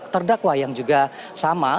terdakwa yang juga sama